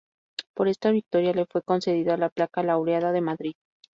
Por esta victoria, le fue concedida la Placa Laureada de Madrid.